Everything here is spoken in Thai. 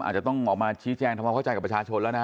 อาจจะต้องออกมาชี้แจงทำความเข้าใจกับประชาชนแล้วนะ